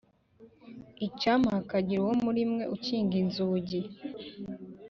Icyampa hakagira uwo muri mwe ukinga inzugi